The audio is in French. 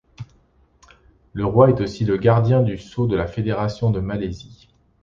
Le roi est aussi le gardien du Sceau de la Fédération de Malaisie.